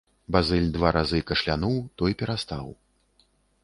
Базыль два разы кашлянуў, той перастаў.